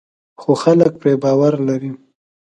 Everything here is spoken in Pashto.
خو خلک پرې باور لري.